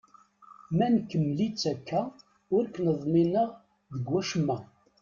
Ma nkemmel-itt akka, ur ken-ḍmineɣ deg wacemma.